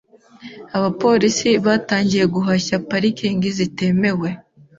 Abapolisi batangiye guhashya parikingi zitemewe.